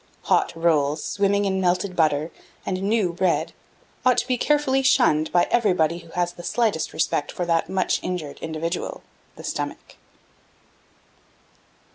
Hot rolls, swimming in melted butter, and new bread, ought to be carefully shunned by everybody who has the slightest respect for that much injured individual the Stomach.